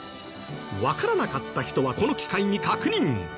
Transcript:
わからなかった人はこの機会に確認！